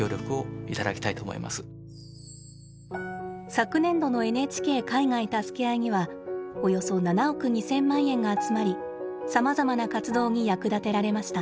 昨年度の「ＮＨＫ海外たすけあい」にはおよそ７億２，０００万円が集まりさまざまな活動に役立てられました。